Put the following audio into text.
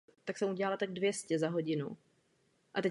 Některé rezervy navrhují odstranit samotní zástupci ředitelství.